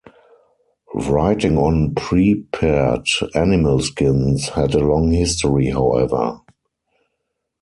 Writing on prepared animal skins had a long history, however.